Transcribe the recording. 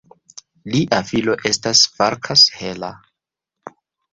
Lia filo estis Farkas Heller.